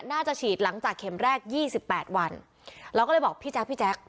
น่าจะฉีดหลังจากเข็มแรกยี่สิบแปดวันเราก็เลยบอกพี่แจ๊คพี่แจ๊ค